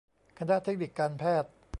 คณะเทคนิคการแพทย์